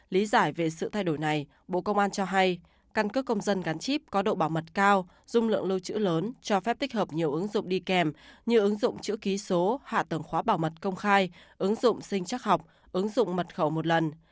lý giải về sự thay đổi này bộ công an cho hay căn cước công dân gắn chip có độ bảo mật cao dung lượng lưu trữ lớn cho phép tích hợp nhiều ứng dụng đi kèm như ứng dụng chữ ký số hạ tầng khóa bảo mật công khai ứng dụng sinh chắc học ứng dụng mật khẩu một lần